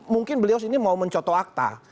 mungkin beliau ini mau mencoto akta